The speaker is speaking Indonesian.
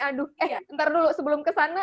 aduh eh ntar dulu sebelum kesana